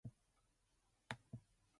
That tree has the air of an exploding shell.